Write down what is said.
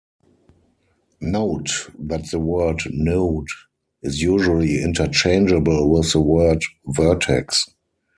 Note that the word "node" is usually interchangeable with the word "vertex".